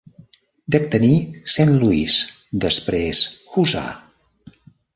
Dec tenir Saint Louis, després Huzza!